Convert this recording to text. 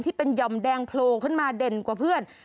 ที่เป็นหย่อมแดงโผล่ขึ้นมาเด่นกว่าเพื่อน